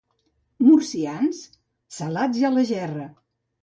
Murcians?, salats i a la gerra.